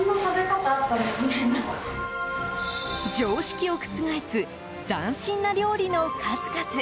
常識を覆す斬新な料理の数々。